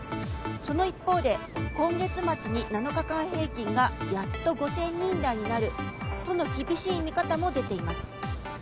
その一方で今月末に７日間平均がやっと５０００人台になるとの厳しい見方も出ています。